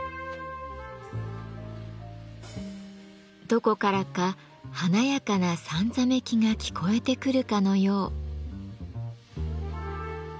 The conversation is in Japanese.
どこからか華やかなさんざめきが聞こえてくるかのよう。